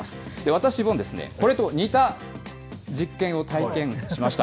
私もこれと似た実験を体験しました。